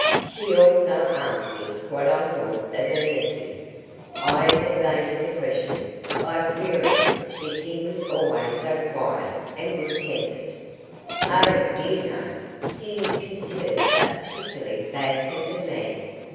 She also asked me what I thought of her nephew. I evaded the question by querying if he was always so quiet and good tempered. "Oh dear, no. He is considered a particularly bad tempered man.